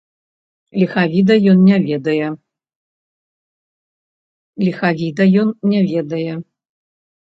Ліхавіда ён не ведае.